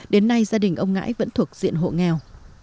đến nay gia đình ông ngãi vẫn thuộc diện hộ nghèo